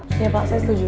iya pak saya setuju